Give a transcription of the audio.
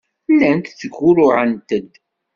Llant ttgurruɛent-d.